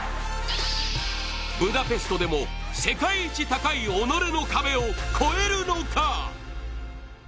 ブダペストでも世界一高い己の壁を越えるのか。